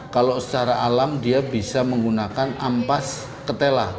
kalau secara alam dia bisa menggunakan ampas ketela